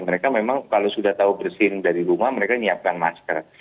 mereka memang kalau sudah tahu bersin dari rumah mereka nyiapkan masker